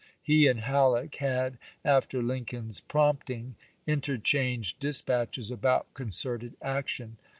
He and Halleck had, after Lincoln's prompting, interchanged dispatches about concerted action.